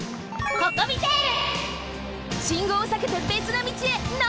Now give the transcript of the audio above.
ココミテール！